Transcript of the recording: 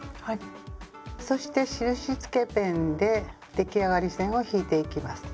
そして印つけペンで出来上がり線を引いていきます。